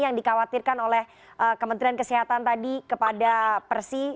yang dikhawatirkan oleh kementerian kesehatan tadi kepada persi